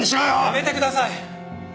やめてください！